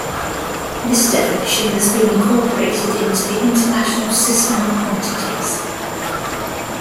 This definition has been incorporated into the International System of Quantities.